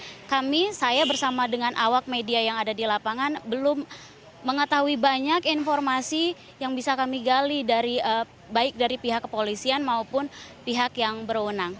namun kami saya bersama dengan awak media yang ada di lapangan belum mengetahui banyak informasi yang bisa kami gali baik dari pihak kepolisian maupun pihak yang berwenang